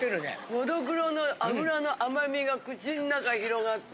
のどぐろの脂の甘みが口の中に広がって。